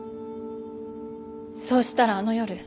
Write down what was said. そうしたらあの夜。